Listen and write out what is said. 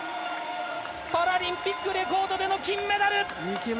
パラリンピックレコードでの金メダル！